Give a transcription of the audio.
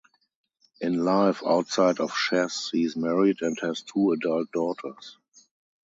In life outside of chess, he is married and has two adult daughters.